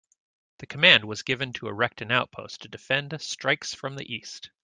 The command was given to erect an outpost to defend strikes from the east.